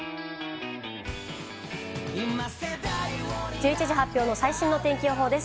１１時発表の最新の天気予報です。